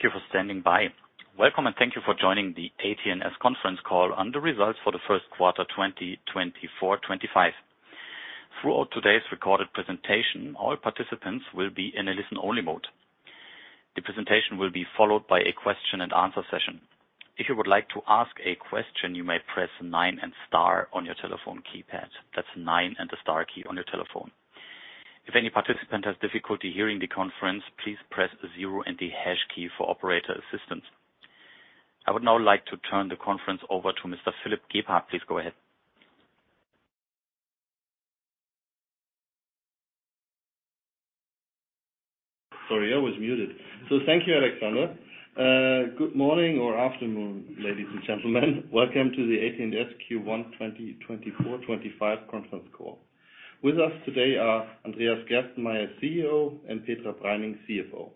Thank you for standing by. Welcome, and thank you for joining the AT&S conference call on the results for the first quarter 2024/2025. Throughout today's recorded presentation, all participants will be in a listen-only mode. The presentation will be followed by a question-and-answer session. If you would like to ask a question, you may press nine and star on your telephone keypad. That's nine and the star key on your telephone. If any participant has difficulty hearing the conference, please press zero and the hash key for operator assistance. I would now like to turn the conference over to Mr. Philipp Gebhardt. Please go ahead. Sorry, I was muted. Thank you, Alexander. Good morning or afternoon, ladies and gentlemen. Welcome to the AT&S Q1 2024/25 conference call. With us today are Andreas Gerstenmayer, CEO, and Petra Preining, CFO.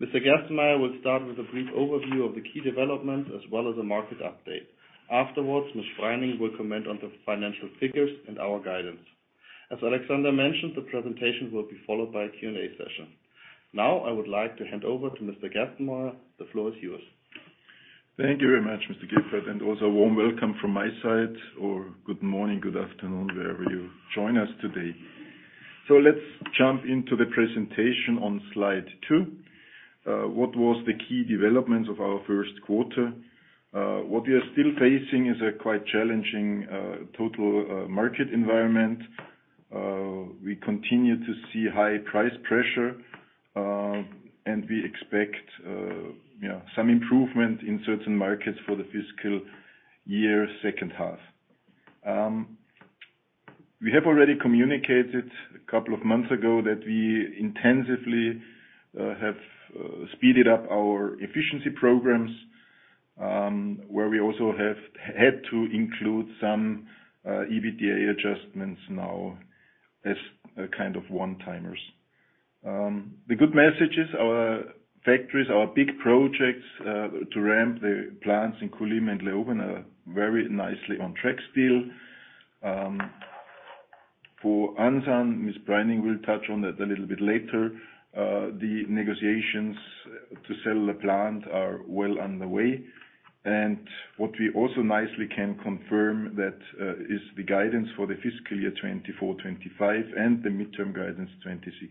Mr. Gerstenmayer will start with a brief overview of the key developments as well as a market update. Afterwards, Ms. Preining will comment on the financial figures and our guidance. As Alexander mentioned, the presentation will be followed by a Q&A session. Now, I would like to hand over to Mr. Gerstenmayer. The floor is yours. Thank you very much, Mr. Gebhardt, and also a warm welcome from my side, or good morning, good afternoon, wherever you join us today. So let's jump into the presentation on slide two. What was the key developments of our first quarter? What we are still facing is a quite challenging total market environment. We continue to see high price pressure, and we expect some improvement in certain markets for the fiscal year's second half. We have already communicated a couple of months ago that we intensively have speeded up our efficiency programs, where we also have had to include some EBITDA adjustments now as a kind of one-timers. The good message is our factories, our big projects, to ramp the plants in Kulim and Leoben are very nicely on track still. For Ansan, Ms. Preining will touch on that a little bit later. The negotiations to sell the plant are well on the way, and what we also nicely can confirm that is the guidance for the fiscal year 2024, 2025, and the midterm guidance, 2026,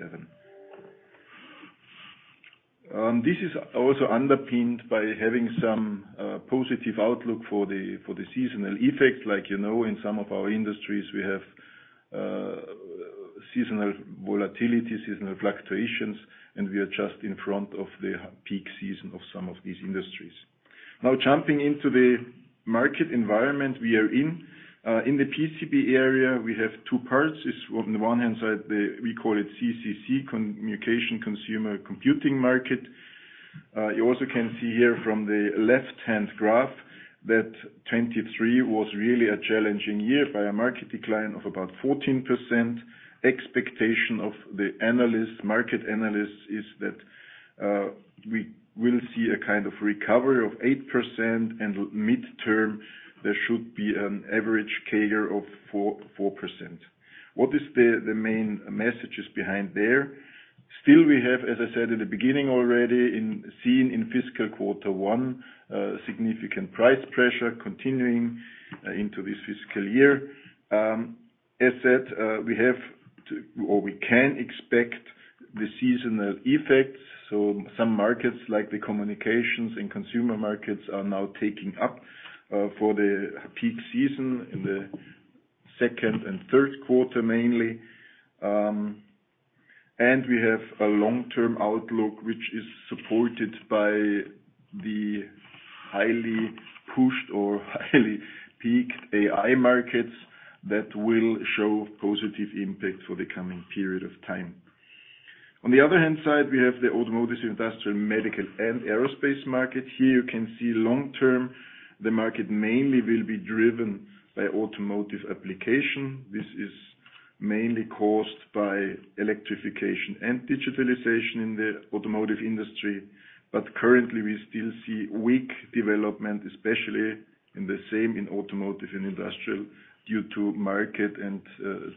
2027. This is also underpinned by having some positive outlook for the seasonal effect. Like, you know, in some of our industries, we have seasonal volatility, seasonal fluctuations, and we are just in front of the peak season of some of these industries. Now, jumping into the market environment we are in. In the PCB area, we have two parts. On the one hand side, the, we call it CCC, Communication, Consumer, Computing market. You also can see here from the left-hand graph that 2023 was really a challenging year by a market decline of about 14%. Expectation of the analyst, market analyst, is that, we will see a kind of recovery of 8%, and midterm, there should be an average CAGR of 4, 4%. What is the, the main messages behind there? Still, we have, as I said in the beginning already, we've seen in fiscal quarter one, significant price pressure continuing, into this fiscal year. As said, we have to, or we can expect the seasonal effects, so some markets, like the communications and consumer markets, are now taking up, for the peak season in the second and third quarter, mainly. And we have a long-term outlook, which is supported by the highly pushed or highly peaked AI markets that will show positive impact for the coming period of time. On the other hand side, we have the automotive, industrial, medical, and aerospace market. Here you can see long-term, the market mainly will be driven by automotive application. This is mainly caused by electrification and digitalization in the automotive industry, but currently, we still see weak development, especially in the same in automotive and industrial, due to market and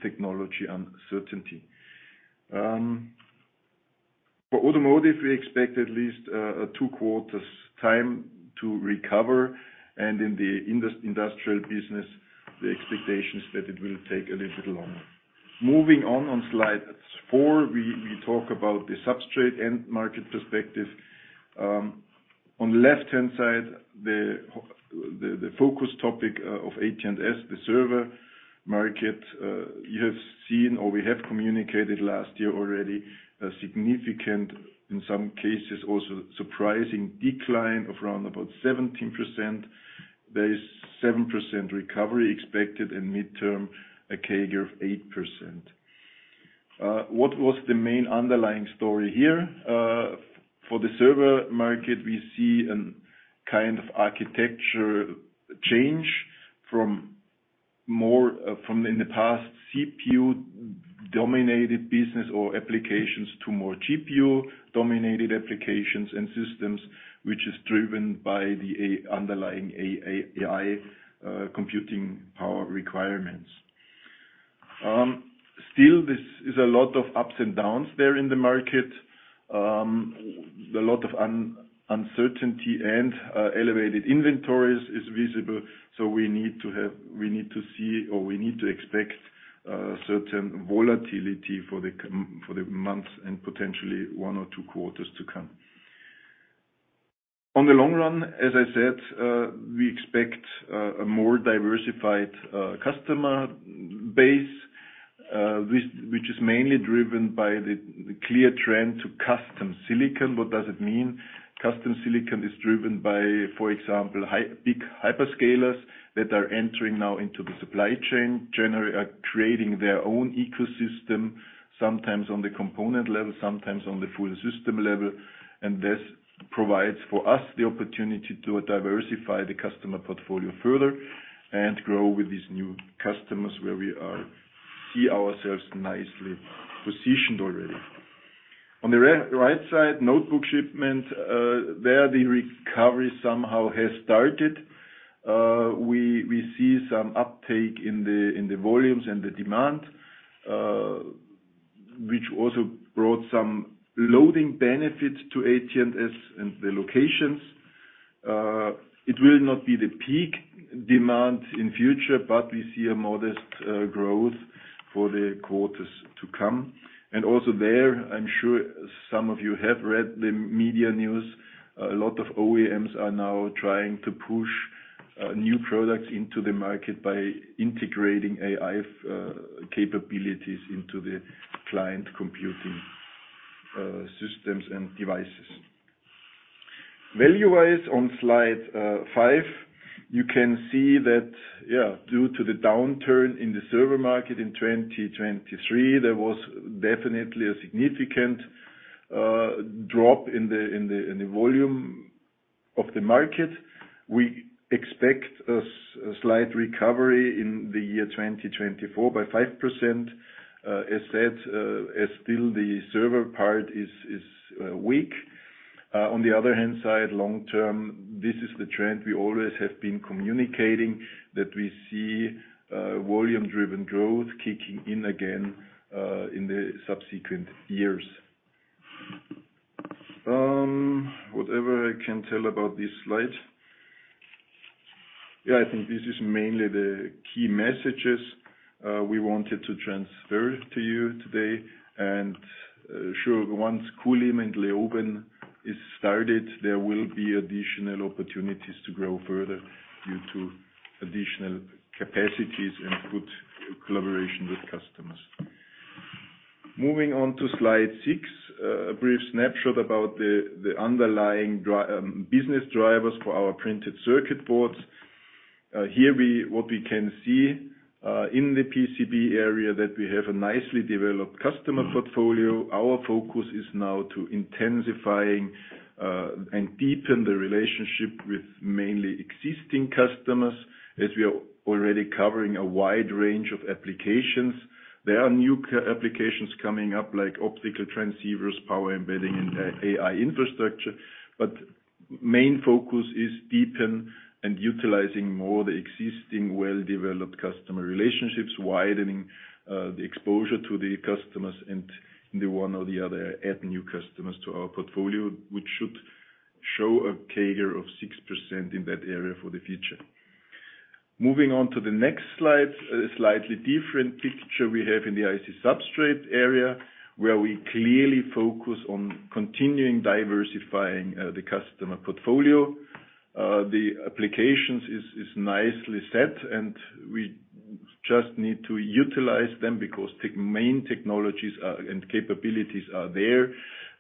technology uncertainty. For automotive, we expect at least 2 quarters time to recover, and in the industrial business, the expectation is that it will take a little longer. Moving on, on slide 4, we talk about the substrate and market perspective. On the left-hand side, the focus topic of AT&S, the server market. You have seen, or we have communicated last year already, a significant, in some cases, also surprising decline of around about 17%. There is 7% recovery expected, and midterm, a CAGR of 8%. What was the main underlying story here? For the server market, we see a kind of architecture change from, in the past, CPU-dominated business or applications to more GPU-dominated applications and systems, which is driven by the underlying AI computing power requirements. Still this is a lot of ups and downs there in the market. A lot of uncertainty and elevated inventories is visible, so we need to see, or we need to expect, certain volatility for the coming months and potentially one or two quarters to come. On the long run, as I said, we expect a more diversified customer base, which is mainly driven by the clear trend to custom silicon. What does it mean? Custom silicon is driven by, for example, big hyperscalers that are entering now into the supply chain, generally are creating their own ecosystem, sometimes on the component level, sometimes on the full system level. And this provides for us the opportunity to diversify the customer portfolio further and grow with these new customers where we see ourselves nicely positioned already. On the right side, notebook shipments, there, the recovery somehow has started. We see some uptake in the volumes and the demand, which also brought some loading benefits to AT&S and the locations. It will not be the peak demand in future, but we see a modest growth for the quarters to come. And also there, I'm sure some of you have read the media news, a lot of OEMs are now trying to push new products into the market by integrating AI capabilities into the client computing systems and devices. Value-wise, on slide 5, you can see that, yeah, due to the downturn in the server market in 2023, there was definitely a significant drop in the volume of the market. We expect a slight recovery in the year 2024 by 5%. As said, still the server part is weak. On the other hand side, long term, this is the trend we always have been communicating, that we see volume-driven growth kicking in again in the subsequent years. Whatever I can tell about this slide? Yeah, I think this is mainly the key messages we wanted to transfer to you today. Sure, once Kulim and Leoben is started, there will be additional opportunities to grow further due to additional capacities and good collaboration with customers. Moving on to slide 6, a brief snapshot about the underlying business drivers for our printed circuit boards. Here, what we can see in the PCB area, that we have a nicely developed customer portfolio. Our focus is now to intensifying and deepen the relationship with mainly existing customers, as we are already covering a wide range of applications. There are new applications coming up, like optical transceivers, power embedding, and AI infrastructure. But main focus is deepen and utilizing more the existing well-developed customer relationships, widening the exposure to the customers, and the one or the other, add new customers to our portfolio, which should show a CAGR of 6% in that area for the future. Moving on to the next slide, a slightly different picture we have in the IC substrate area, where we clearly focus on continuing diversifying the customer portfolio. The applications is nicely set, and we just need to utilize them because the main technologies are, and capabilities are there.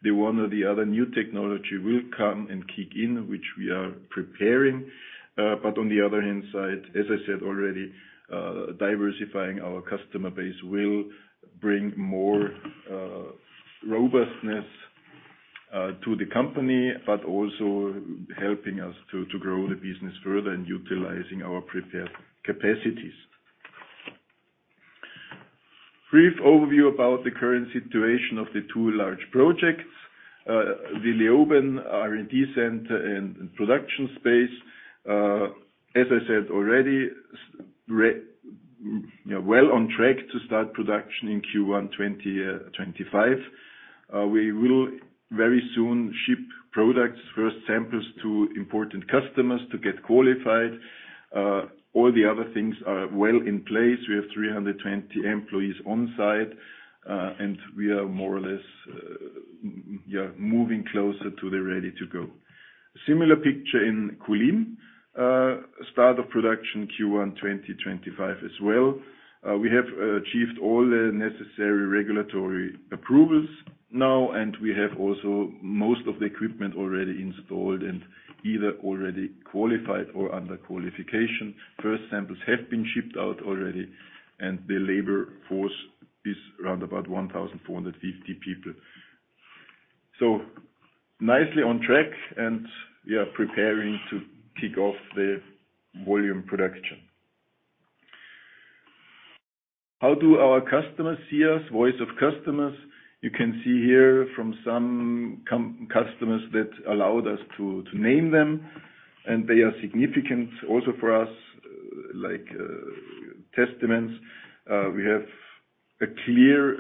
The one or the other new technology will come and kick in, which we are preparing. But on the other hand side, as I said already, diversifying our customer base will bring more robustness to the company, but also helping us to grow the business further and utilizing our prepared capacities. Brief overview about the current situation of the two large projects. The Leoben R&D center and production space, as I said already, well on track to start production in Q1 2025. We will very soon ship products, first samples to important customers to get qualified. All the other things are well in place. We have 320 employees on site, and we are more or less, yeah, moving closer to the ready to go. Similar picture in Kulim, start of production Q1 2025 as well. We have achieved all the necessary regulatory approvals now, and we have also most of the equipment already installed and either already qualified or under qualification. First samples have been shipped out already, and the labor force is around about 1,450 people. So nicely on track, and we are preparing to kick off the volume production. How do our customers see us? Voice of customers. You can see here from some customers that allowed us to, to name them and they are significant also for us, like, testimonials. We have a clear,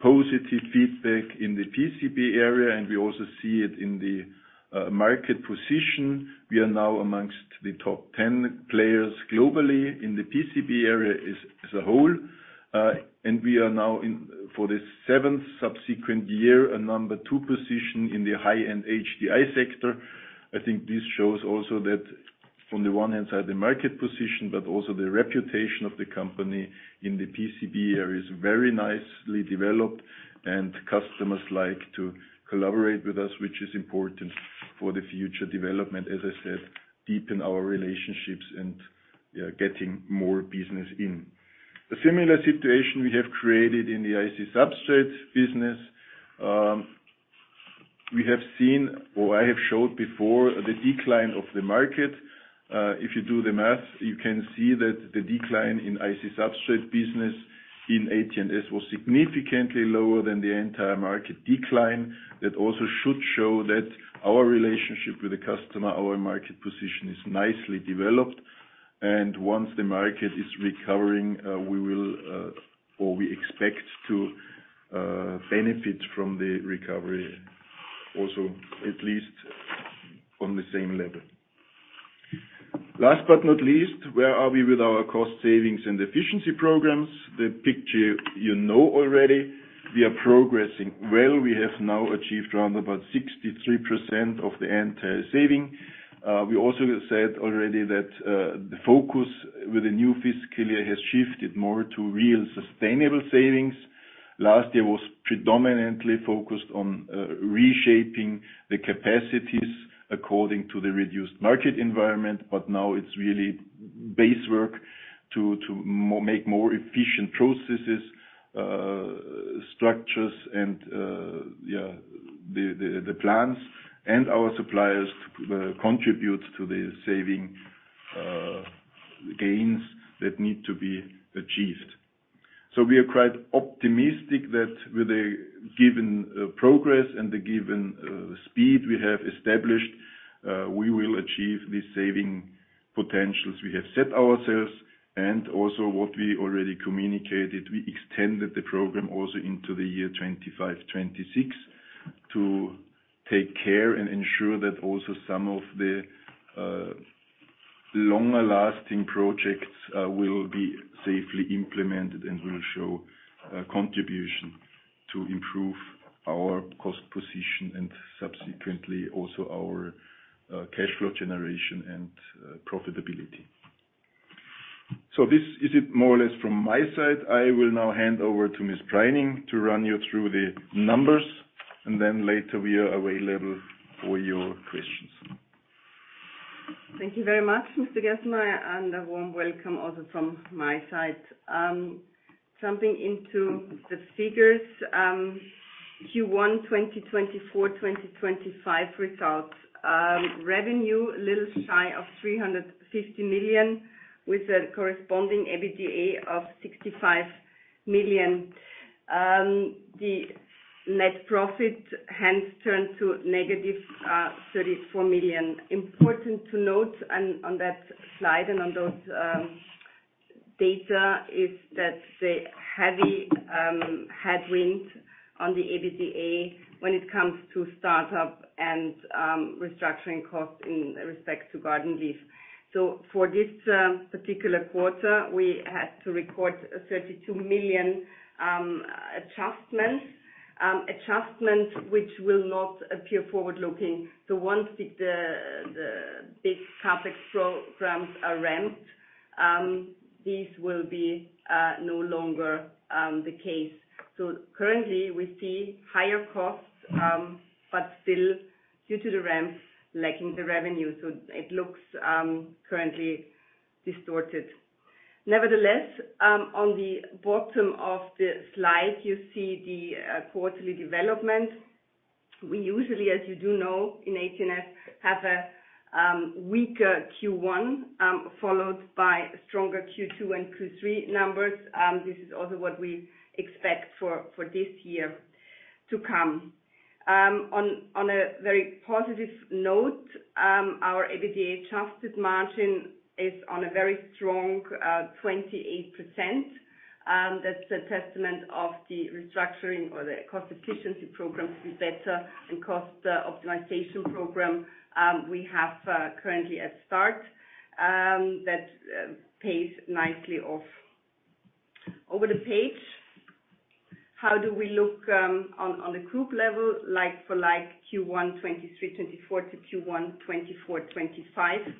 positive feedback in the PCB area, and we also see it in the market position. We are now among the top 10 players globally in the PCB area as a whole. And we are now in, for the seventh subsequent year, a number two position in the high-end HDI sector. I think this shows also that from the one hand side, the market position, but also the reputation of the company in the PCB area is very nicely developed, and customers like to collaborate with us, which is important for the future development. As I said, deepen our relationships and getting more business in. A similar situation we have created in the IC substrates business. We have seen, or I have showed before, the decline of the market. If you do the math, you can see that the decline in IC substrate business in AT&S was significantly lower than the entire market decline. That also should show that our relationship with the customer, our market position, is nicely developed. And once the market is recovering, we will, or we expect to, benefit from the recovery also, at least on the same level. Last but not least, where are we with our cost savings and efficiency programs? The picture you know already. We are progressing well. We have now achieved around about 63% of the entire saving. We also have said already that, the focus with the new fiscal year has shifted more to real sustainable savings. Last year was predominantly focused on reshaping the capacities according to the reduced market environment, but now it's really base work to make more efficient processes, structures, and the plants and our suppliers contribute to the savings gains that need to be achieved. So we are quite optimistic that with the given progress and the given speed we have established, we will achieve the savings potentials we have set ourselves. And also what we already communicated, we extended the program also into the year 2025, 2026, to take care and ensure that also some of the longer-lasting projects will be safely implemented and will show contribution to improve our cost position and subsequently also our cash flow generation and profitability. So this is it more or less from my side. I will now hand over to Ms. Preining to run you through the numbers, and then later we are available for your questions. Thank you very much, Mr. Gerstenmayer, and a warm welcome also from my side. Jumping into the figures, Q1 2024/2025 results. Revenue a little shy of 350 million, with a corresponding EBITDA of 65 million. The net profit hence turned to negative 34 million. Important to note on that slide and on those data is that the heavy headwinds on the EBITDA when it comes to start-up and restructuring costs in respect to garden leave. So for this particular quarter, we had to record a 32 million adjustment. Adjustment, which will not appear forward-looking. So once the big CapEx programs are ramped, this will be no longer the case. So currently, we see higher costs, but still, due to the ramp, lacking the revenue, so it looks, currently distorted. Nevertheless, on the bottom of the slide, you see the, quarterly development. We usually, as you do know, in AT&S, have a, weaker Q1, followed by stronger Q2 and Q3 numbers. This is also what we expect for, for this year to come. On, on a very positive note, our EBITDA adjusted margin is on a very strong, 28%. That's a testament of the restructuring or the cost efficiency programs we set, and cost, optimization program, we have, currently at start, that, pays nicely off. Over the page, how do we look, on, on the group level, like-for-like Q1 2023/24 to Q1 2024/25?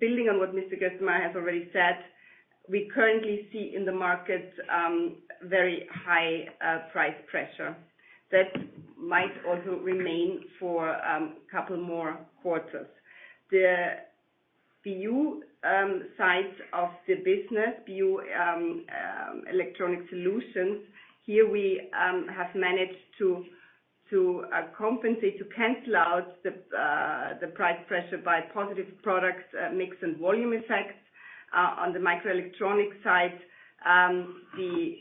Building on what Mr. Gerstenmayer has already said, we currently see in the market very high price pressure that might also remain for a couple more quarters. The BU side of the business, BU electronic solutions, here we have managed to compensate to cancel out the price pressure by positive product mix and volume effect. On the microelectronic side, the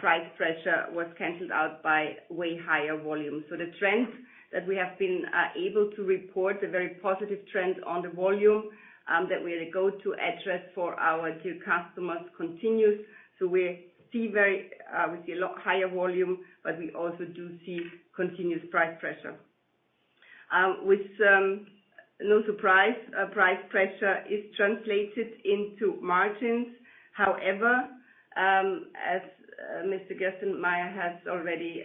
price pressure was canceled out by way higher volume. So the trend that we have been able to report, the very positive trend on the volume, that we are the go-to address for our tier customers continues. So we see a lot higher volume, but we also do see continuous price pressure. With no surprise, price pressure is translated into margins. However, as Mr. Gerstenmayer has already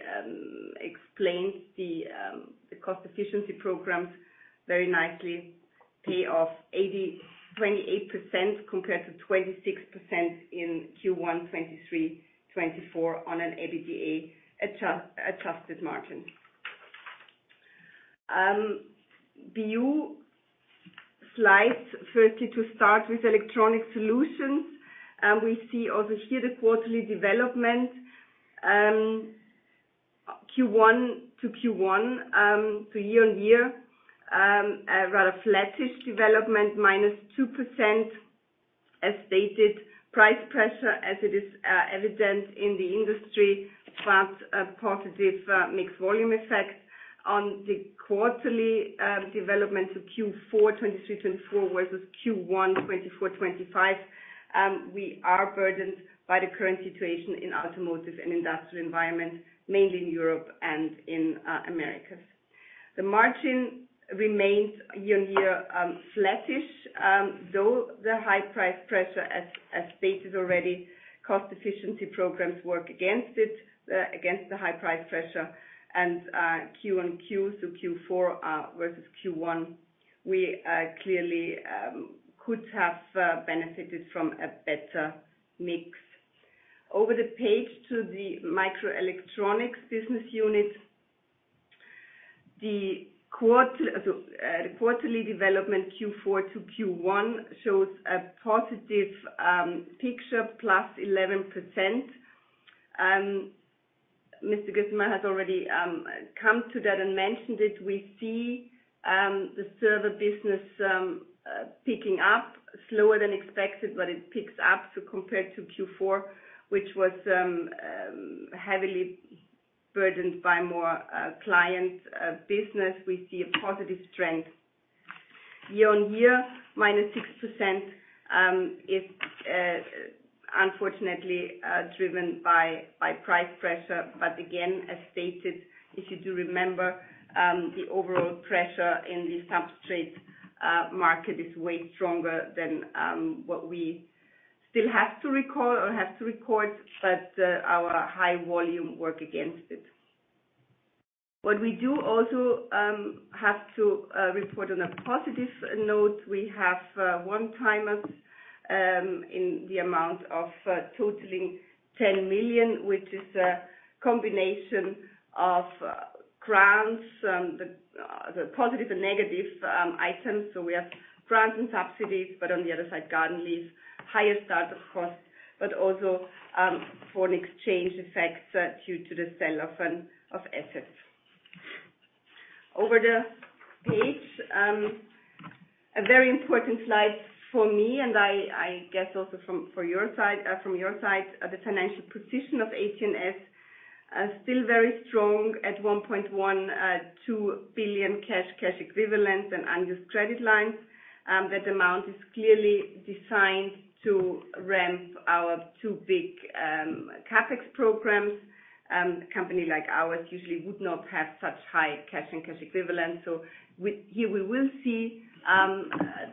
explained the cost efficiency programs very nicely pay off 28% compared to 26% in Q1 2023, 2024 on an EBITDA adjusted margin. BU slide, firstly, to start with electronic solutions, we see also here the quarterly development, Q1 to Q1, so year-on-year, a rather flattish development, -2%. As stated, price pressure, as it is, evident in the industry, but a positive mix volume effect. On the quarterly development to Q4 2023, 2024, versus Q1 2024/2025, we are burdened by the current situation in automotive and industrial environment, mainly in Europe and in Americas. The margin remains year-on-year flattish, though the high price pressure, as stated already, cost efficiency programs work against it, against the high price pressure and Q on Q, so Q4 versus Q1, we clearly could have benefited from a better mix. Over the page to the microelectronics business unit. The quarterly development Q4 to Q1 shows a positive picture, +11%. Mr. Gerstenmayer has already come to that and mentioned it. We see the server business picking up slower than expected, but it picks up to compared to Q4, which was heavily burdened by more client business. We see a positive strength. Year-on-year, -6%, is unfortunately driven by price pressure. But again, as stated, if you do remember, the overall pressure in the substrate market is way stronger than what we still have to recall or have to record, but our high volume work against it. What we also have to report on a positive note, we have one-timers in the amount of totaling 10 million, which is a combination of grants, the positive and negative items. So we have grants and subsidies, but on the other side, garden leave, higher startup costs, but also foreign exchange effects due to the sell-off of assets. Over the page, a very important slide for me, and I guess also from your side, the financial position of AT&S, still very strong at 1.12 billion cash, cash equivalents and unused credit lines. That amount is clearly designed to ramp our two big CapEx programs. A company like ours usually would not have such high cash and cash equivalents. So here, we will see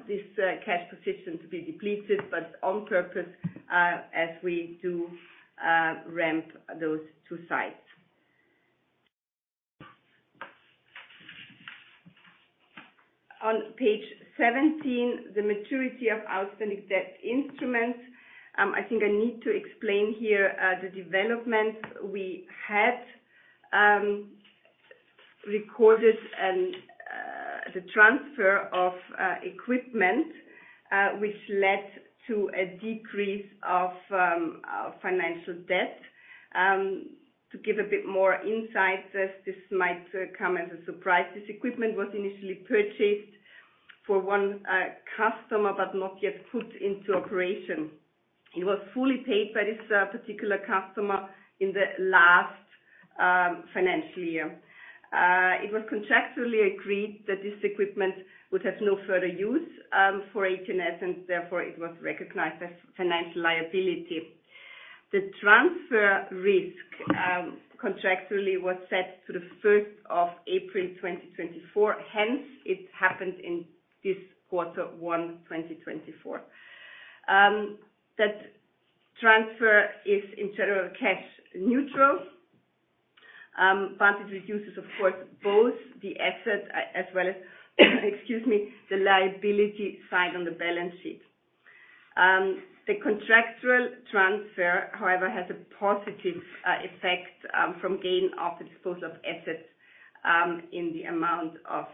this cash position to be depleted, but on purpose, as we do ramp those two sites. On page 17, the maturity of outstanding debt instruments. I think I need to explain here the developments. We had recorded the transfer of equipment, which led to a decrease of financial debt. To give a bit more insight, as this might come as a surprise, this equipment was initially purchased for one customer, but not yet put into operation. It was fully paid by this particular customer in the last financial year. It was contractually agreed that this equipment would have no further use for AT&S, and therefore it was recognized as financial liability. The transfer risk contractually was set to the first of April 2024. Hence, it happened in this quarter one, 2024. That transfer is in general cash neutral, but it reduces, of course, both the asset as well as the liability side on the balance sheet. The contractual transfer, however, has a positive effect from gain of the disposal of assets in the amount of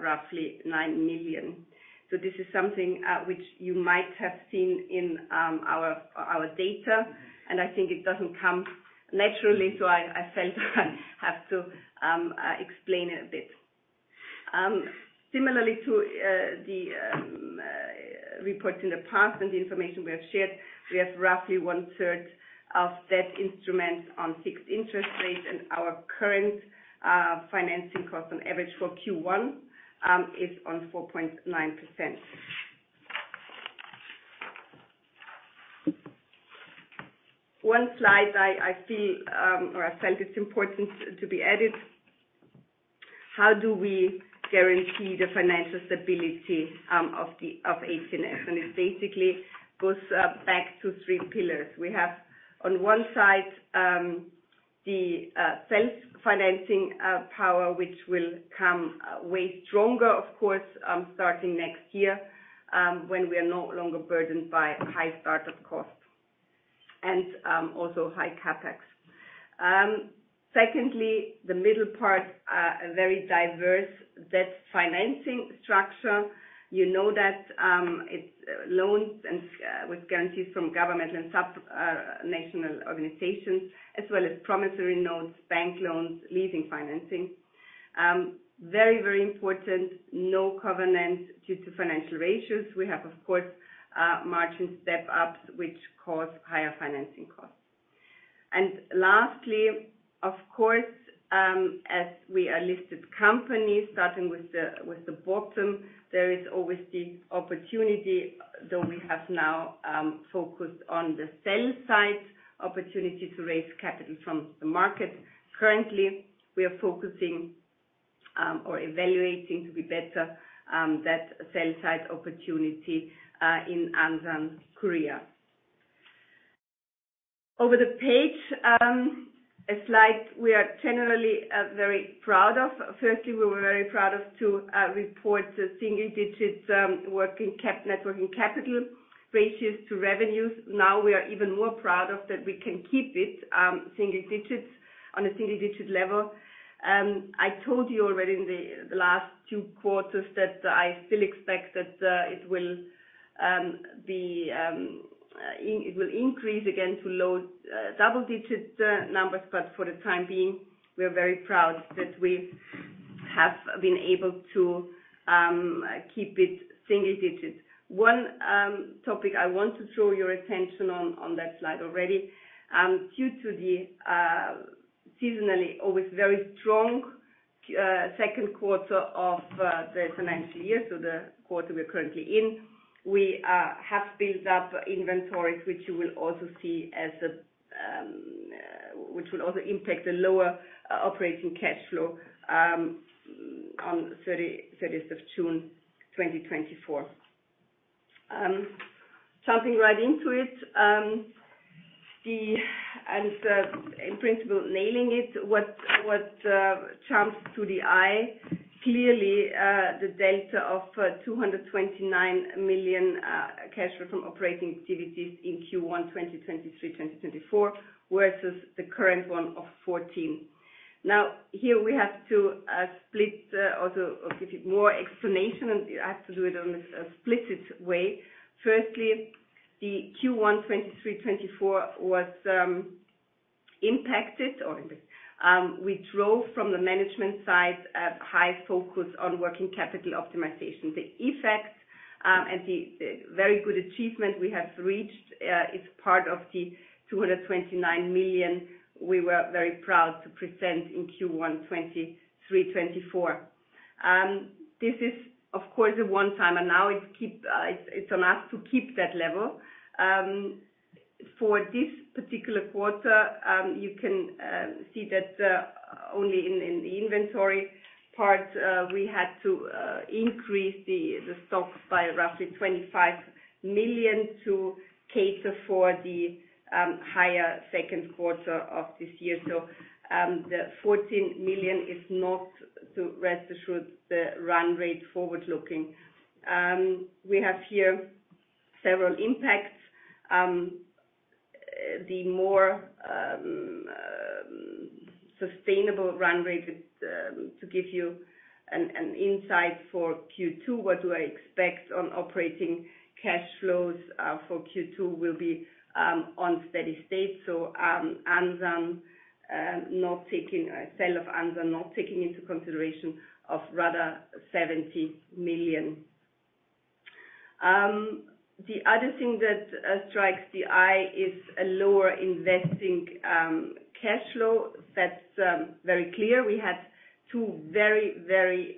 roughly 9 million. So this is something which you might have seen in our data, and I think it doesn't come naturally, so I felt I have to explain it a bit. Similarly to the reports in the past and the information we have shared, we have roughly one-third of that instrument on fixed interest rates, and our current financing cost on average for Q1 is 4.9%. One slide I feel or I felt it's important to be added: How do we guarantee the financial stability of AT&S? And it basically goes back to three pillars. We have, on one side, the self-financing power, which will come way stronger, of course, starting next year, when we are no longer burdened by high startup costs and also high CapEx. Secondly, the middle part, a very diverse debt financing structure. You know that, it's loans and with guarantees from government and subnational organizations, as well as promissory notes, bank loans, leasing financing. Very, very important, no covenant due to financial ratios. We have, of course, margin step-ups, which cause higher financing costs. And lastly, of course, as we are listed companies, starting with the bottom, there is always the opportunity, though we have now focused on the sell side opportunity to raise capital from the market. Currently, we are focusing, or evaluating to be better, that sell side opportunity, in Ansan, Korea. Over the page, a slide we are generally, very proud of. Firstly, we were very proud of to, report the single digits, working cap, net working capital ratios to revenues. Now, we are even more proud of that we can keep it on a single digit level. I told you already in the last two quarters that I still expect that it will increase again to low double-digit numbers, but for the time being, we are very proud that we have been able to keep it single digits. One topic I want to draw your attention on, on that slide already, due to the seasonally always very strong second quarter of the financial year, so the quarter we're currently in, we have built up inventories, which you will also see as, which will also impact the lower operating cash flow on 30th of June, 2024. Jumping right into it, in principle, nailing it, what jumps to the eye, clearly, the delta of 229 million cash from operating activities in Q1 2023/2024 versus the current one of 14 million. Now, here we have to split or to give you more explanation, and I have to do it on a split way. Firstly, the Q1 2023/24 was impacted or we drove from the management side high focus on working capital optimization. The effects and the very good achievement we have reached is part of the 229 million we were very proud to present in Q1 2023/24. This is, of course, a one-time, and now it keep, it's on us to keep that level. For this particular quarter, you can see that only in the inventory part we had to increase the stock by roughly 25 million to cater for the higher second quarter of this year. So, the 14 million is not the rest assured, the run rate forward looking. We have here several impacts. The more sustainable run rate is to give you an insight for Q2, what do I expect on operating cash flows for Q2 will be on steady state. Sale of Ansan, not taking into consideration of rather 70 million. The other thing that strikes the eye is a lower investing cash flow. That's very clear. We had two very, very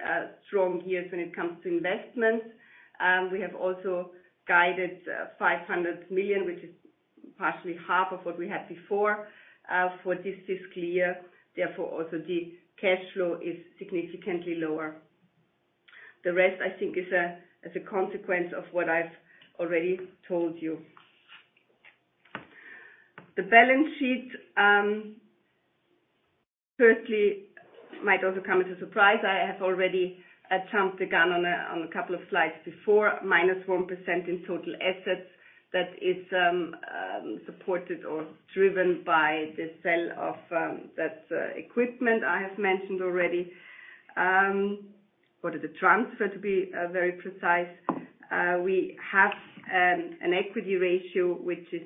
strong years when it comes to investments. We have also guided 500 million, which is partially half of what we had before for this fiscal year. Therefore, also the cash flow is significantly lower. The rest, I think, is as a consequence of what I've already told you. The balance sheet, firstly, might also come as a surprise. I have already jumped the gun on a couple of slides before, -1% in total assets. That is supported or driven by the sale of that equipment I have mentioned already. What is the transfer, to be very precise? We have an equity ratio, which is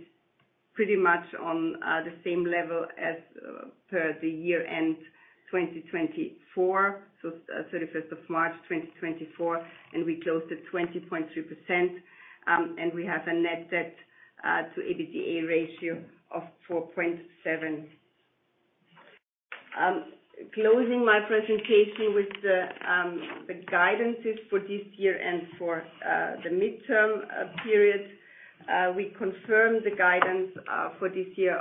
pretty much on the same level as per the year-end 2024, so March 31st, 2024, and we closed at 20.2%. And we have a net debt to EBITDA ratio of 4.7. Closing my presentation with the guidances for this year and for the midterm period. We confirm the guidance for this year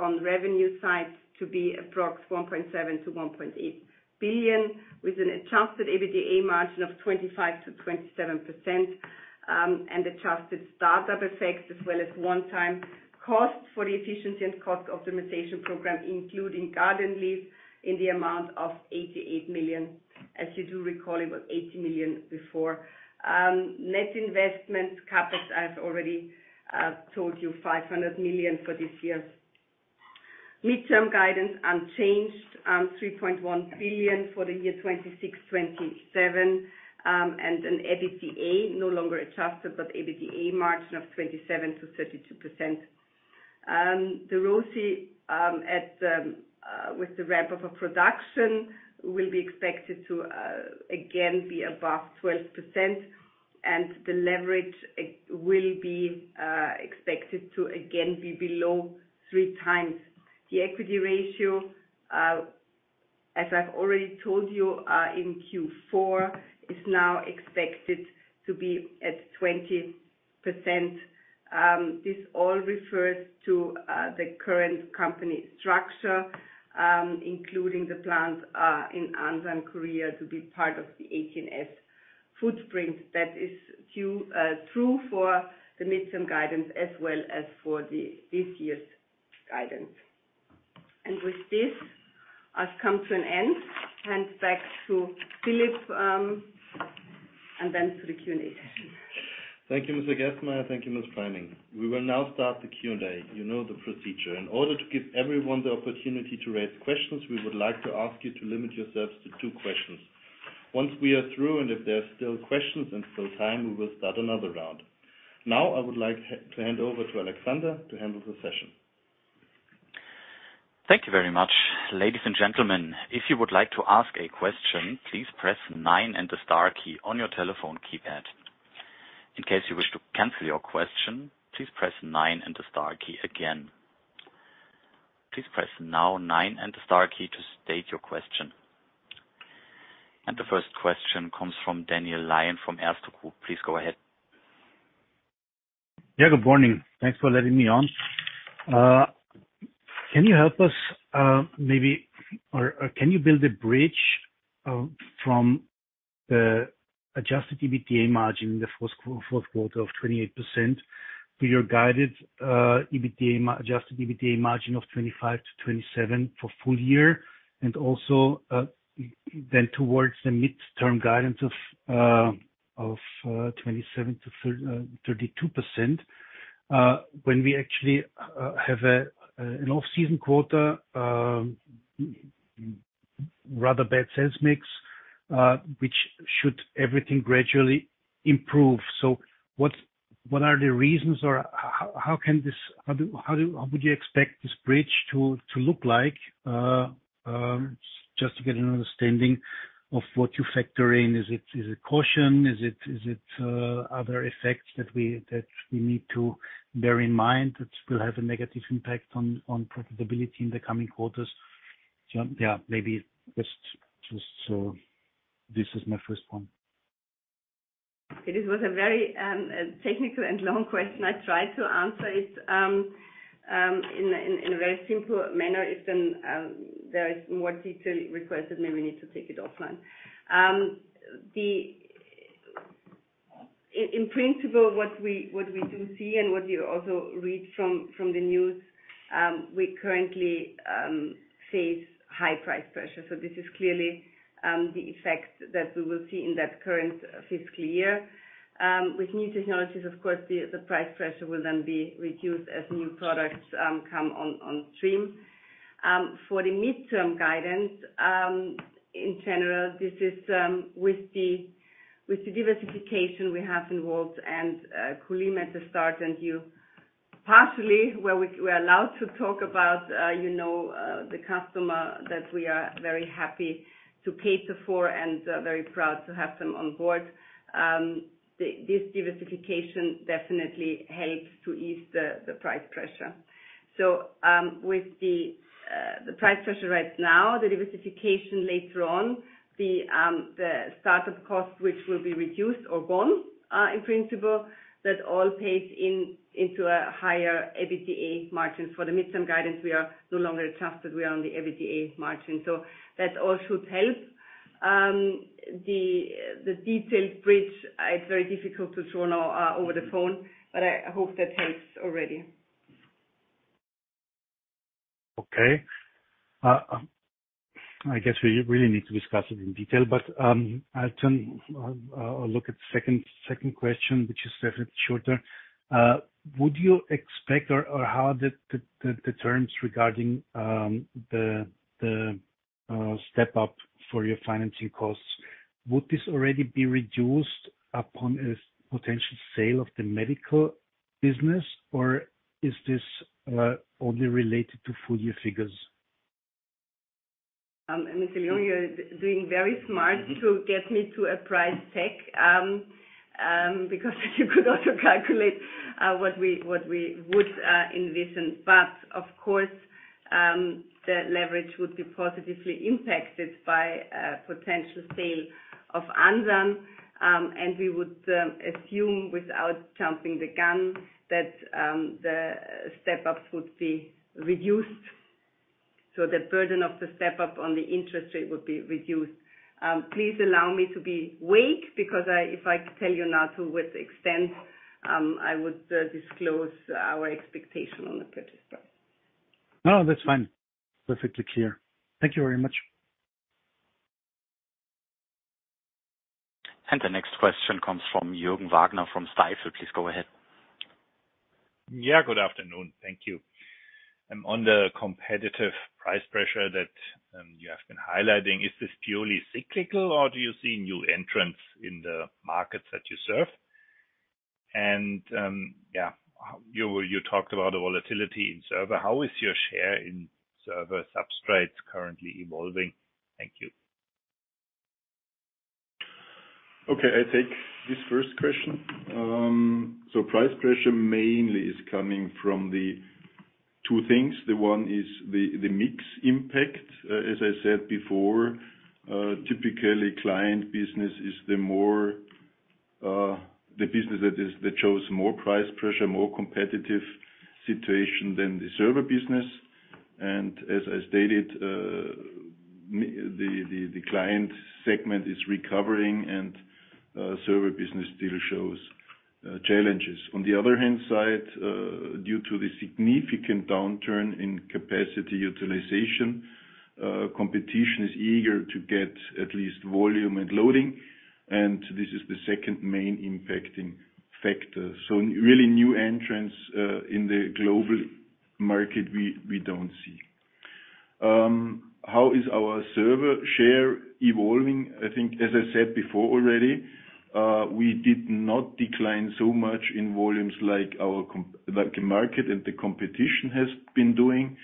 on the revenue side to be approx 1.7-1.8 billion, with an adjusted EBITDA margin of 25%-27%, and adjusted start-up effects, as well as one-time costs for the efficiency and cost optimization program, including garden leave, in the amount of 88 million. As you do recall, it was 80 million before. Net investment CapEx, I've already told you, 500 million for this year. Midterm guidance unchanged, 3.1 billion for the year 2026/2027, and an EBITDA no longer adjusted, but EBITDA margin of 27%-32%. The ROCE, with the ramp of a production, will be expected to again be above 12%, and the leverage will be expected to again be below 3x. The equity ratio, as I've already told you, in Q4, is now expected to be at 20%. This all refers to the current company structure, including the plants in Ansan, Korea, to be part of the AT&S footprint. That is too true for the midterm guidance as well as for this year's guidance. And with this, I've come to an end. Hand back to Philipp, and then to the Q&A session. Thank you, Mr. Gerstenmayer. Thank you, Ms. Preining. We will now start the Q&A. You know the procedure. In order to give everyone the opportunity to raise questions, we would like to ask you to limit yourselves to two questions. Once we are through, and if there are still questions and still time, we will start another round. Now, I would like to hand over to Alexander to handle the session. Thank you very much. Ladies and gentlemen, if you would like to ask a question, please press nine and the star key on your telephone keypad. In case you wish to cancel your question, please press nine and the star key again. Please press now nine and the star key to state your question. And the first question comes from Daniel Lion from Erste Group. Please go ahead. Yeah, good morning. Thanks for letting me on. Can you build a bridge from the adjusted EBITDA margin in the fourth quarter of 28% to your guided adjusted EBITDA margin of 25%-27% for full year? And also, then towards the midterm guidance of 27%-32%, when we actually have an off-season quarter, rather bad sales mix, which should everything gradually improve. So what are the reasons, or how can this, how do you expect this bridge to look like? Just to get an understanding of what you factor in. Is it caution? Is it other effects that we need to bear in mind that still have a negative impact on profitability in the coming quarters? So, yeah, maybe just so this is my first one. It was a very technical and long question. I tried to answer it in a very simple manner. If then there is more detail requested, maybe we need to take it offline. In principle, what we do see and what you also read from the news, we currently face high price pressure. So this is clearly the effect that we will see in that current fiscal year. With new technologies, of course, the price pressure will then be reduced as new products come on stream. For the midterm guidance, in general, this is with the diversification we have involved, and Kulim at the start, and you partially, where we are allowed to talk about, you know, the customer that we are very happy to cater for and very proud to have them on board. This diversification definitely helps to ease the price pressure. So, with the price pressure right now, the diversification later on, the start-up costs, which will be reduced or gone, in principle, that all plays in into a higher EBITDA margins. For the midterm guidance, we are no longer adjusted, we are on the EBITDA margin, so that all should help. The detailed bridge, it's very difficult to show now over the phone, but I hope that helps already. Okay. I guess we really need to discuss it in detail, but I'll turn to the second question, which is definitely shorter. How the terms regarding the step-up for your financing costs? Would this already be reduced upon a potential sale of the medical business, or is this only related to full year figures? And Mr. Lion, you're doing very smart to get me to a price tag. Because you could also calculate, what we would, envision. But of course, the leverage would be positively impacted by a potential sale of Ansan. And we would, assume, without jumping the gun, that, the step-ups would be reduced. So the burden of the step-up on the interest rate would be reduced. Please allow me to be vague, because, if I tell you now to with extent, I would, disclose our expectation on the purchase price. No, that's fine. Perfectly clear. Thank you very much. The next question comes from Jürgen Wagner, from Stifel. Please go ahead. Yeah, good afternoon. Thank you. On the competitive price pressure that you have been highlighting, is this purely cyclical, or do you see new entrants in the markets that you serve? And, yeah, you talked about the volatility in server. How is your share in server substrates currently evolving? Thank you. Okay, I take this first question. Price pressure mainly is coming from the two things. The one is the mix impact. As I said before, typically, client business is the more, the business that shows more price pressure, more competitive situation than the server business. And as I stated, the client segment is recovering, and server business still shows challenges. On the other hand side, due to the significant downturn in capacity utilization, competition is eager to get at least volume and loading, and this is the second main impacting factor. Really new entrants in the global market, we don't see. How is our server share evolving? I think, as I said before already, we did not decline so much in volumes like the market and the competition has been doing.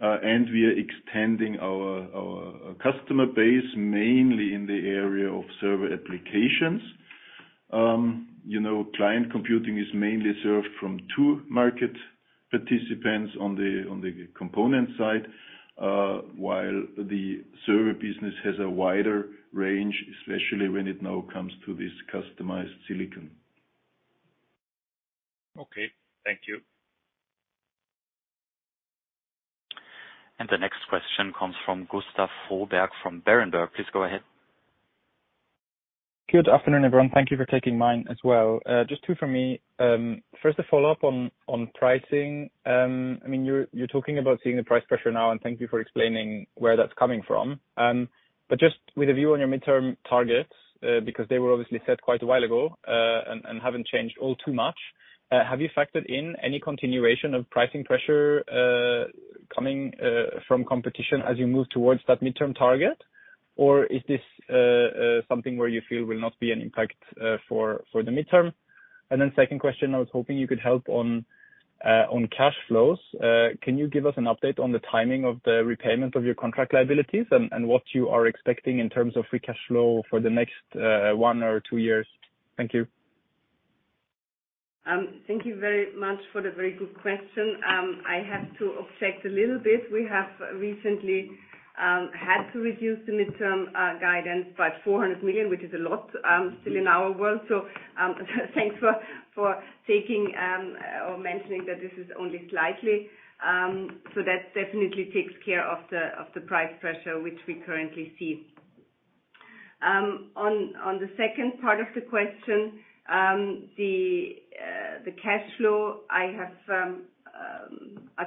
And we are extending our customer base, mainly in the area of server applications. You know, client computing is mainly served from two market participants on the component side, while the server business has a wider range, especially when it now comes to this customized silicon. Okay, thank you. The next question comes from Gustav Froberg from Berenberg. Please go ahead. Good afternoon, everyone. Thank you for taking mine as well. Just two for me. First, a follow-up on pricing. I mean, you're talking about seeing the price pressure now, and thank you for explaining where that's coming from. But just with a view on your midterm targets, because they were obviously set quite a while ago, and haven't changed all too much. Have you factored in any continuation of pricing pressure coming from competition as you move towards that midterm target? Or is this something where you feel will not be an impact for the midterm? And then second question, I was hoping you could help on cash flows. Can you give us an update on the timing of the repayment of your contract liabilities and, and what you are expecting in terms of free cash flow for the next one or two years? Thank you. Thank you very much for the very good question. I have to object a little bit. We have recently had to reduce the midterm guidance by 400 million, which is a lot, still in our world. So, thanks for taking or mentioning that this is only slightly. So that definitely takes care of the price pressure, which we currently see. On the second part of the question, the cash flow, I've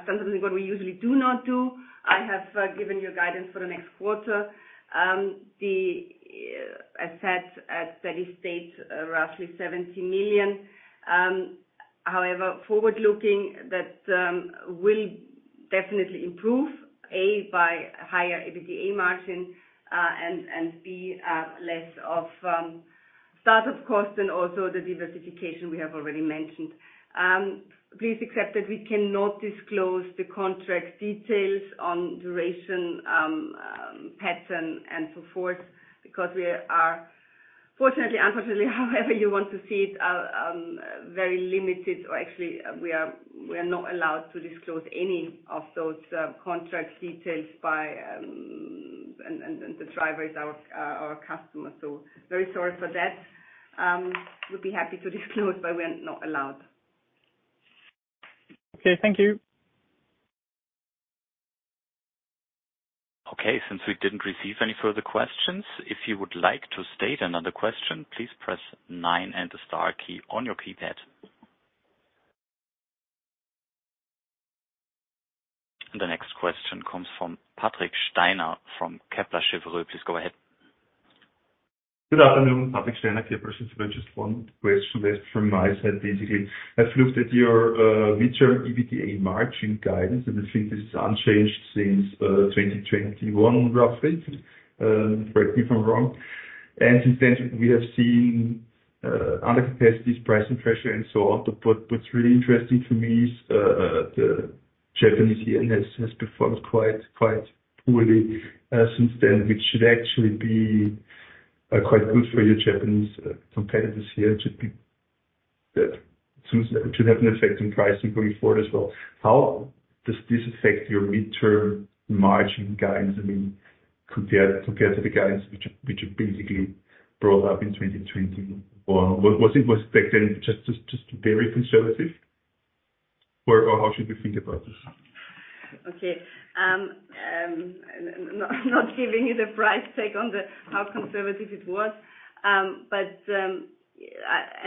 done something what we usually do not do. I have given you a guidance for the next quarter. The assets at steady state roughly 70 million. However, forward looking, that will definitely improve A, by higher EBITDA margin, and B, less of start-up cost and also the diversification we have already mentioned. Please accept that we cannot disclose the contract details on duration, pattern and so forth, because we are fortunately, unfortunately, however you want to see it, very limited, or actually, we are not allowed to disclose any of those contract details by the driver is our customer. So very sorry for that. We'd be happy to disclose, but we're not allowed. Okay, thank you. Okay, since we didn't receive any further questions, if you would like to state another question, please press nine and the star key on your keypad. The next question comes from Patrick Steiner, from Kepler Cheuvreux. Please go ahead. Good afternoon, Patrick Steiner here. Just one question left from my side. Basically, I've looked at your midterm EBITDA margin guidance, and I think this is unchanged since 2021, roughly. Correct me if I'm wrong. And since then, we have seen under capacities, pricing pressure, and so on. But what's really interesting to me is the Japanese yen has performed quite poorly since then, which should actually be quite good for your Japanese competitors here. Should have an effect on pricing going forward as well. How does this affect your midterm margin guidance, I mean, compared to the guidance which you basically brought up in 2020? Or was it back then just very conservative, or how should we think about this? Okay. Not giving you the price tag on the, how conservative it was. But, and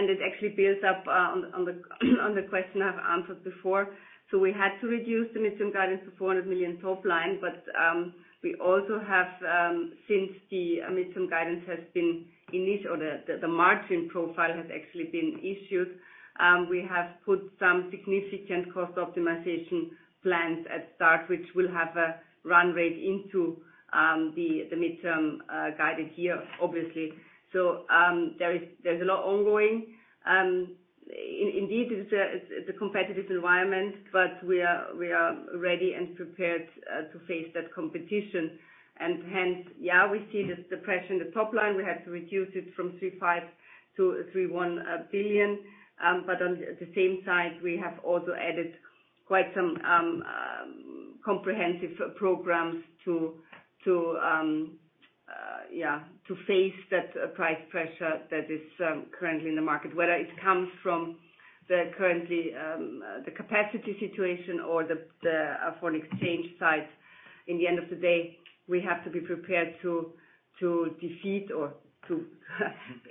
it actually builds up on the question I've answered before. So we had to reduce the midterm guidance to 400 million top line. But, we also have, since the midterm guidance has been issued or the margin profile has actually been issued, we have put some significant cost optimization plans at start, which will have a run rate into the midterm guided year, obviously. So, there is. There's a lot ongoing. Indeed, it's a competitive environment, but we are ready and prepared to face that competition. And hence, yeah, we see this depression in the top line. We had to reduce it from 35 billion-31 billion. But on the same side, we have also added quite some comprehensive programs to face that price pressure that is currently in the market. Whether it comes from the capacity situation or the foreign exchange side. In the end of the day, we have to be prepared to defeat or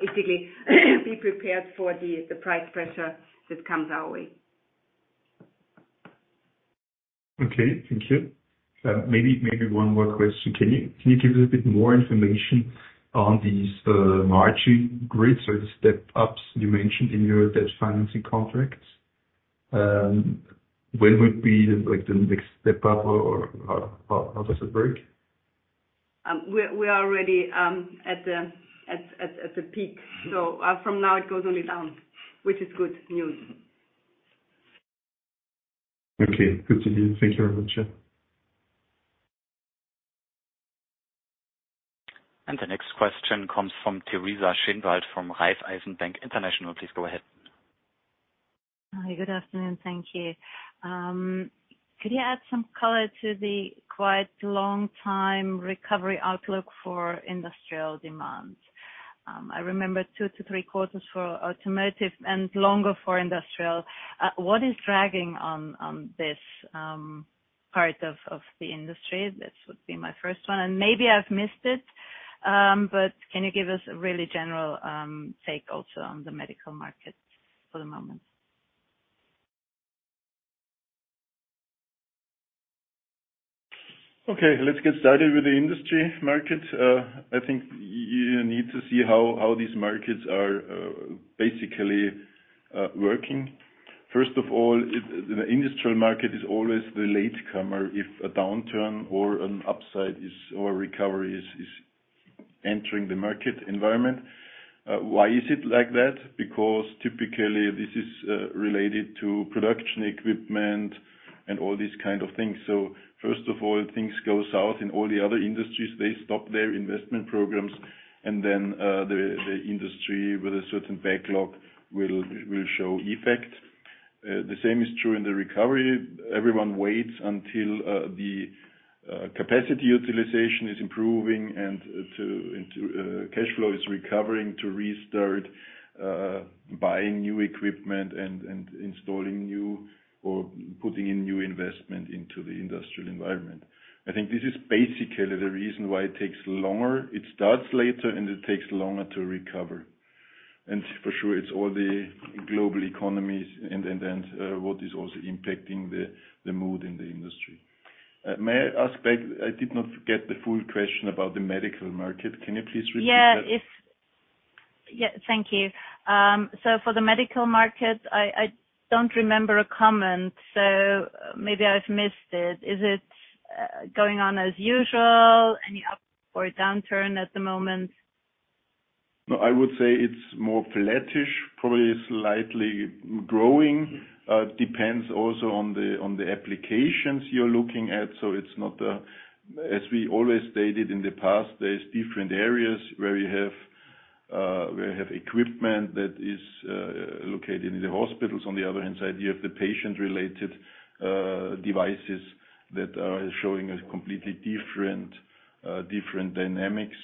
basically be prepared for the price pressure that comes our way. Okay, thank you. Maybe, maybe one more question. Can you, can you give us a bit more information on these margin grids or the step ups you mentioned in your debt financing contracts? When would be, like, the next step up, or how does it break? We are already at the peak. So, from now it goes only down, which is good news. Okay, good to hear. Thank you very much. The next question comes from Teresa Schinwald, from Raiffeisen Bank International. Please go ahead. Hi, good afternoon. Thank you. Could you add some color to the quite long time recovery outlook for industrial demand? I remember 2-3 quarters for automotive and longer for industrial. What is dragging on this part of the industry? This would be my first one, and maybe I've missed it, but can you give us a really general take also on the medical market for the moment? Okay, let's get started with the industry market. I think you need to see how these markets are basically working. First of all, the industrial market is always the late comer if a downturn or an upside is, or a recovery is entering the market environment. Why is it like that? Because typically, this is related to production equipment and all these kind of things. So first of all, things go south in all the other industries, they stop their investment programs, and then the industry with a certain backlog will show effect. The same is true in the recovery. Everyone waits until the capacity utilization is improving and cashflow is recovering to restart buying new equipment and installing new or putting in new investment into the industrial environment. I think this is basically the reason why it takes longer. It starts later, and it takes longer to recover. And for sure, it's all the global economies and what is also impacting the mood in the industry. May I ask back? I did not get the full question about the medical market. Can you please repeat that? Yeah, thank you. So for the medical market, I don't remember a comment, so maybe I've missed it. Is it going on as usual? Any up or a downturn at the moment? No, I would say it's more flattish, probably slightly growing. It depends also on the applications you're looking at. So it's not, as we always stated in the past, there is different areas where you have equipment that is located in the hospitals. On the other hand side, you have the patient-related devices that are showing a completely different dynamics.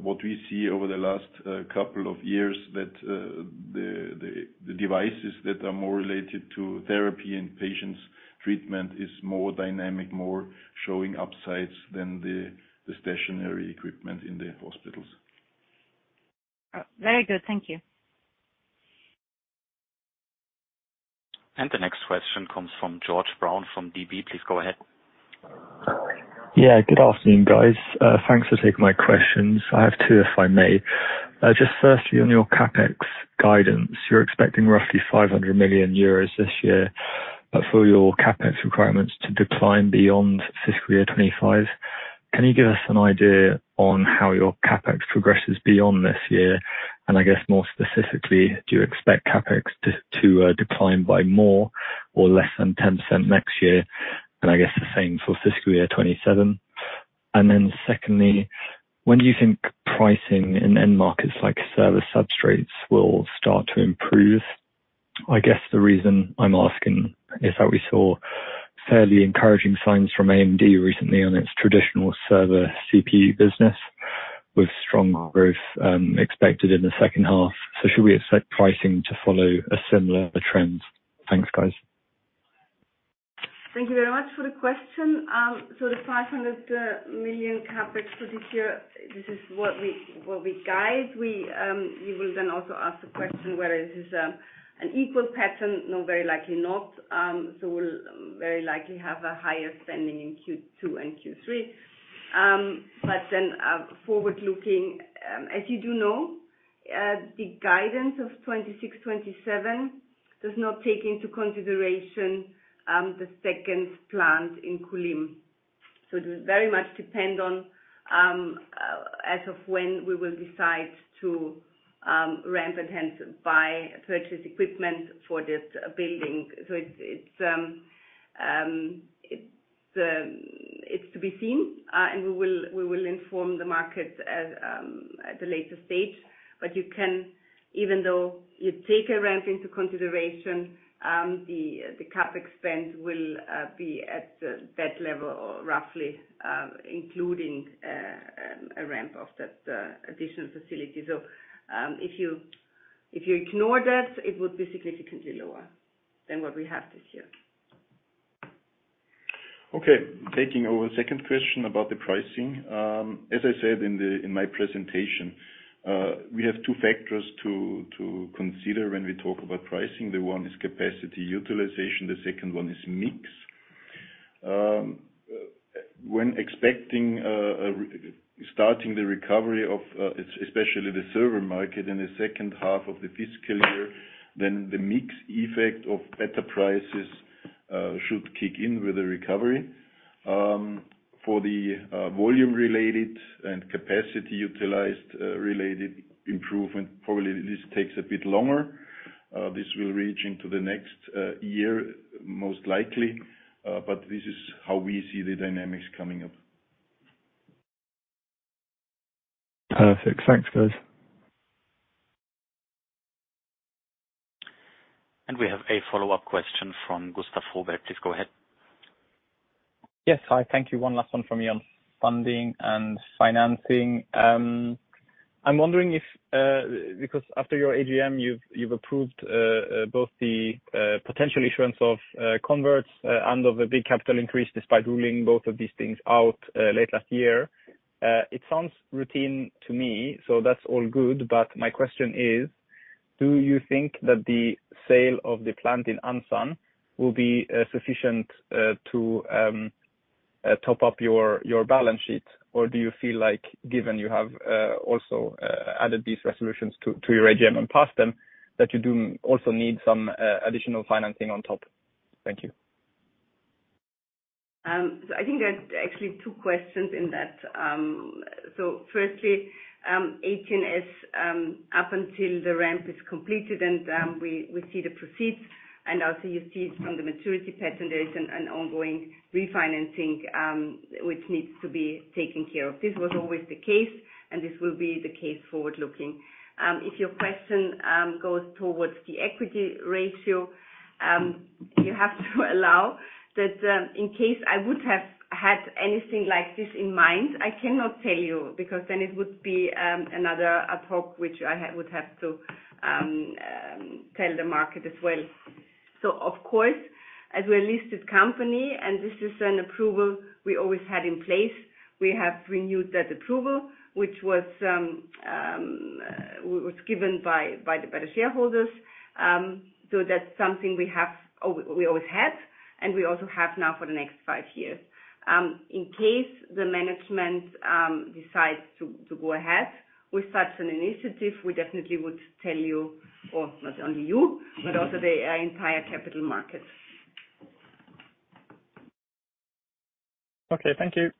What we see over the last couple of years, that the devices that are more related to therapy and patients' treatment is more dynamic, more showing upsides than the stationary equipment in the hospitals. Very good. Thank you. The next question comes from George Brown, from DB. Please go ahead. Yeah, good afternoon, guys. Thanks for taking my questions. I have two, if I may. Just firstly, on your CapEx guidance, you're expecting roughly 500 million euros this year. But for your CapEx requirements to decline beyond fiscal year 2025, can you give us an idea on how your CapEx progresses beyond this year? And I guess, more specifically, do you expect CapEx to decline by more or less than 10% next year? And I guess the same for fiscal year 2027. And then secondly, when do you think pricing in end markets, like server substrates, will start to improve? I guess the reason I'm asking is that we saw fairly encouraging signs from AMD recently on its traditional server CPU business, with strong growth expected in the second half. So should we expect pricing to follow a similar trend? Thanks, guys. Thank you very much for the question. So the 500 million CapEx for this year, this is what we guide. We, you will then also ask the question whether this is an equal pattern, no, very likely not. So we'll very likely have a higher spending in Q2 and Q3. But then, forward-looking, as you do know, the guidance of 2026/2027 does not take into consideration the second plant in Kulim. So it will very much depend on, as of when we will decide to ramp and hence buy purchase equipment for this building. So it's to be seen. And we will inform the market as at a later stage. But you can, even though you take a ramp into consideration, the CapEx spend will be at that level or roughly, including a ramp of that additional facility. So, if you ignore that, it would be significantly lower than what we have this year. Okay, taking over the second question about the pricing. As I said in the, in my presentation, we have two factors to consider when we talk about pricing. The one is capacity utilization, the second one is mix. When expecting starting the recovery of especially the server market in the second half of the fiscal year, then the mix effect of better prices should kick in with the recovery. For the volume-related and capacity utilized related improvement, probably this takes a bit longer. This will reach into the next year, most likely, but this is how we see the dynamics coming up. Perfect. Thanks, guys. We have a follow-up question from Gustav Froberg. Please go ahead. Yes. Hi, thank you. One last one from me on funding and financing. I'm wondering if, because after your AGM, you've approved both the potential issuance of converts and of a big capital increase, despite ruling both of these things out late last year. It sounds routine to me, so that's all good. But my question is: Do you think that the sale of the plant in Ansan will be sufficient to top up your balance sheet or do you feel like, given you have also added these resolutions to your AGM and passed them, that you do also need some additional financing on top? Thank you. So I think there's actually two questions in that. So firstly, AT&S, up until the ramp is completed, and we see the proceeds, and also you see it from the maturity pattern, there is an ongoing refinancing, which needs to be taken care of. This was always the case, and this will be the case forward looking. If your question goes towards the equity ratio, you have to allow that, in case I would have had anything like this in mind, I cannot tell you, because then it would be another ad hoc, which I would have to tell the market as well. So of course, as we're a listed company, and this is an approval we always had in place, we have renewed that approval, which was given by the shareholders. So that's something we always had, and we also have now for the next five years. In case the management decides to go ahead with such an initiative, we definitely would tell you, or not only you, but also the entire capital market. Okay, thank you.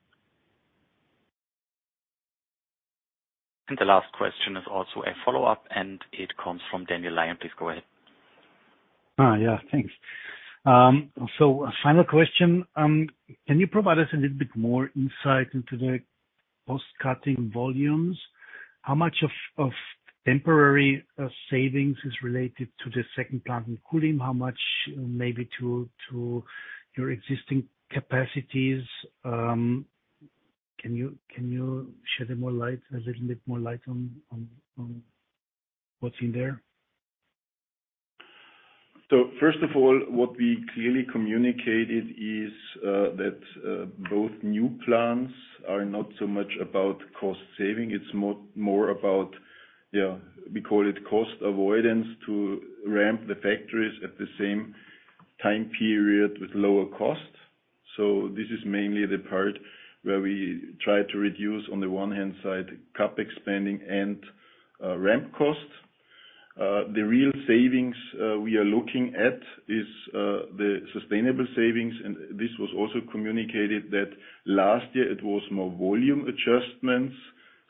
The last question is also a follow-up, and it comes from Daniel Lion. Please go ahead. Ah, yeah, thanks. So a final question. Can you provide us a little bit more insight into the cost-cutting volumes? How much of temporary savings is related to the second plant in Kulim? How much maybe to your existing capacities? Can you shed more light, a little bit more light on what's in there? So first of all, what we clearly communicated is, that both new plants are not so much about cost saving. It's more about, yeah, we call it cost avoidance, to ramp the factories at the same time period with lower cost. So this is mainly the part where we try to reduce, on the one-hand side, CapEx spending and ramp costs. The real savings we are looking at is the sustainable savings, and this was also communicated, that last year it was more volume adjustments,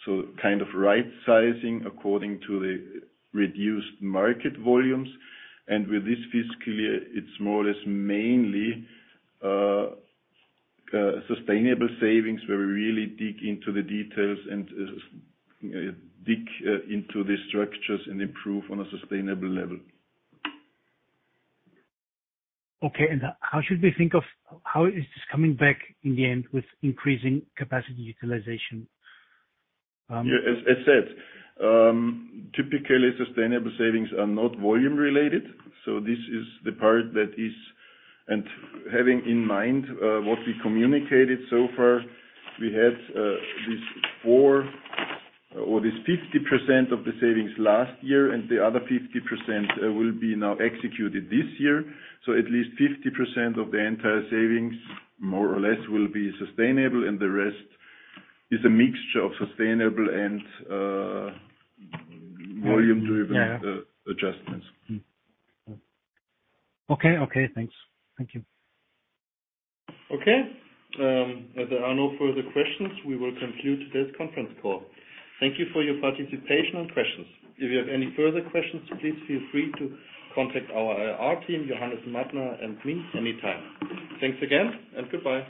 so kind of right sizing according to the reduced market volumes. And with this fiscal year, it's more or less mainly sustainable savings, where we really dig into the details and dig into the structures and improve on a sustainable level. Okay, and how is this coming back in the end with increasing capacity utilization? Yeah, as said, typically, sustainable savings are not volume related, so this is the part that is, and having in mind what we communicated so far, we had this 50% of the savings last year, and the other 50%, will be now executed this year. So at least 50% of the entire savings, more or less, will be sustainable, and the rest is a mixture of sustainable and volume-driven adjustments. Okay, okay, thanks. Thank you. Okay, as there are no further questions, we will conclude today's conference call. Thank you for your participation and questions. If you have any further questions, please feel free to contact our IR team, Johannes Mattner, and me anytime. Thanks again, and goodbye.